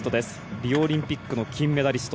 リオオリンピックの金メダリスト。